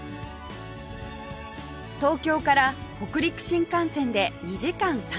東京から北陸新幹線で２時間３０分の金沢